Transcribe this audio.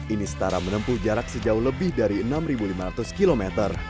ini setara menempuh jarak sejauh lebih dari enam lima ratus km